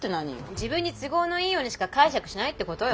自分に都合のいいようにしか解釈しないってことよ。